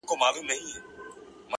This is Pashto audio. نیک اخلاق د انسان ښکلی میراث دی,